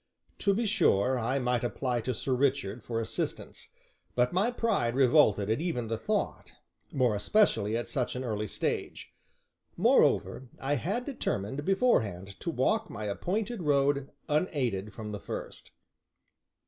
To be sure, I might apply to Sir Richard for assistance, but my pride revolted at even the thought, more especially at such an early stage; moreover, I had determined, beforehand, to walk my appointed road unaided from the first.